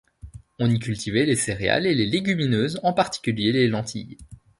On y cultivait les céréales et les légumineuses, en particulier les lentilles.